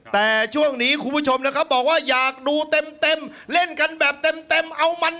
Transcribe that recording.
แต่ช่วงนี้คุณผู้ชมนะครับบอกว่าอยากดูเต็มเล่นกันแบบเต็มเอามัน